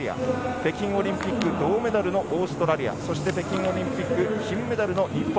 北京オリンピック銅メダルのオーストラリアそして、北京オリンピック金メダルの日本。